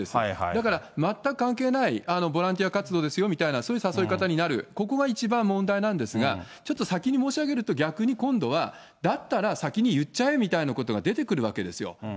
だから、全く関係ないボランティア活動ですよみたいなそういう誘い方になる、ここが一番問題なんですが、ちょっと先に申し上げると、逆に今度はだったら先に言っちゃえみたいなことが出てくるわけですよ。